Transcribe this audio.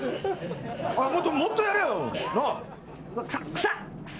もっともっとやれよ。なあ。